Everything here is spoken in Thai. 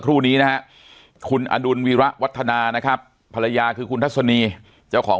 ครู่นี้นะฮะคุณอดุลวีระวัฒนานะครับภรรยาคือคุณทัศนีเจ้าของ